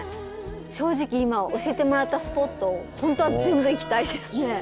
正直今教えてもらったスポットを本当は全部行きたいですね。